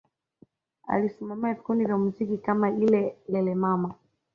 Alisimamia vikundi vya muziki kama ile Lelemama